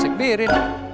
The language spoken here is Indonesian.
ya asik diri